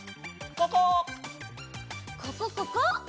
ここここ！